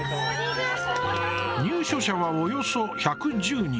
入所者はおよそ１１０人。